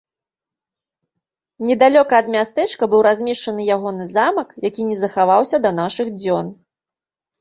Недалёка ад мястэчка быў размешчаны ягоны замак, які не захаваўся да нашых дзён.